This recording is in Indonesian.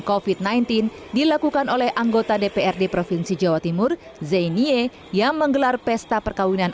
kofit sembilan belas dilakukan oleh anggota dprd provinsi jawa timur zainie yang menggelar pesta perkawinan